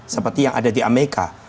seperti yang ada di amerika